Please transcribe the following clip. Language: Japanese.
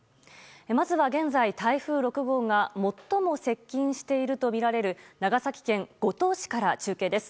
まずは現在、台風６号が最も接近しているとみられる長崎県五島市から中継です。